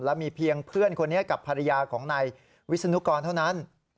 และมีเพียงเพื่อนคนนี้กับภรรยาของนายวิศนุกรเท่านั้น